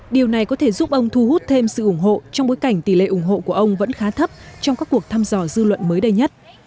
điều này có thể giúp ông thu hút thêm sự ủng hộ trong bối cảnh tỷ lệ ủng hộ của ông vẫn khá thấp trong các cuộc thăm dò dư luận mới đây nhất